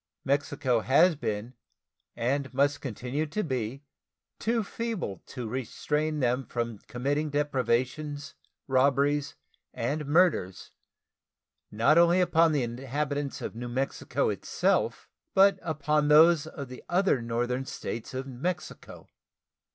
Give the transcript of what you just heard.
Mexico has been and must continue to be too feeble to restrain them from committing depredations, robberies, and murders, not only upon the inhabitants of New Mexico itself, but upon those of the other northern States of Mexico.